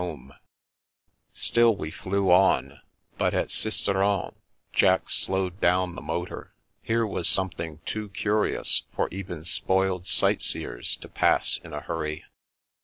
The Fairy Prince's Ring 349 Still we flew on; but at Sisteron Jack slowed down the motor. Here was something too curious for even spoiled sightseers to pass in a hurry.